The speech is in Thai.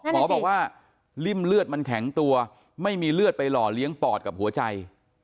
หมอบอกว่าริ่มเลือดมันแข็งตัวไม่มีเลือดไปหล่อเลี้ยงปอดกับหัวใจ